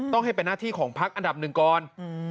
ต้องให้เป็นหน้าที่ของพักอันดับหนึ่งก่อน